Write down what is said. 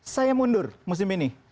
saya mundur musim ini